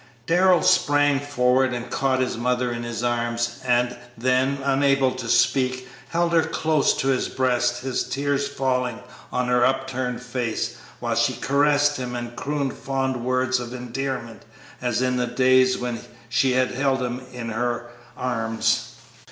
Darrell sprang forward and caught his mother in his arms, and then, unable to speak, held her close to his breast, his tears falling on her upturned face, while she caressed him and crooned fond words of endearment as in the days when she had held him in her arms.